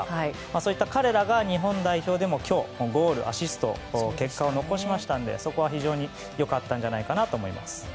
そういった彼らが日本代表でも今日、ゴールとアシストという結果を残しましたので非常に良かったと思います。